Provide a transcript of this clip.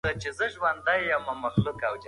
هغوی ته عصري مهارتونه ور زده کړئ.